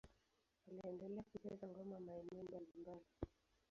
Aliendelea kucheza ngoma maeneo mbalimbali.